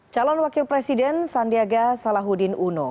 calon wakil presiden sandiaga salahuddin uno